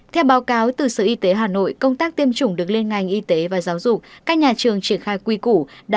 theo báo cáo từ sở y tế hà nội công tác tiêm chủng được lên ngành y tế và giáo dục các nhà trường triển khai quy củ